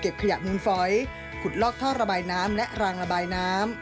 ไม่มีเจ้าหน้าที่จะเลี่ยน